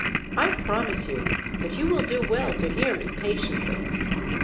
I promise you that you will do well to hear me patiently."